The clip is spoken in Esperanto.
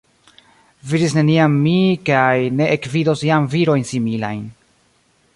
Vidis neniam mi kaj ne ekvidos jam virojn similajn.